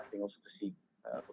tentang masa depan